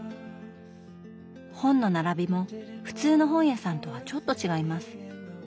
本の並びも普通の本屋さんとはちょっと違います。